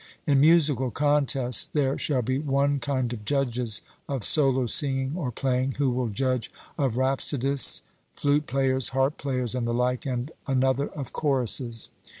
In musical contests there shall be one kind of judges of solo singing or playing, who will judge of rhapsodists, flute players, harp players and the like, and another of choruses.